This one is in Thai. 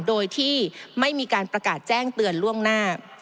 โดยที่ไม่มีการประกาศแจ้งเตือนล่วงหน้า